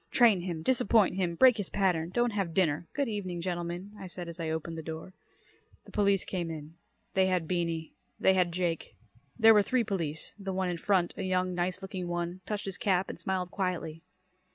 "Train him. Disappoint him. Break his pattern. Don't have dinner. Good evening, gentlemen," I said as I opened the door. The police came in. They had Beany. They had Jake. There were three police. The one in front, a young, nice looking one, touched his cap and smiled quietly.